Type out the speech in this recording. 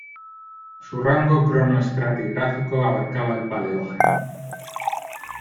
Su rango cronoestratigráfico abarcaba el Paleógeno.